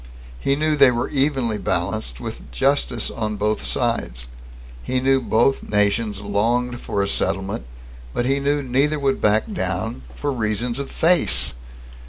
He knew they were evenly balanced, with justice on both sides. He knew both nations longed for a settlement, but he knew neither would back down, for reasons of "face."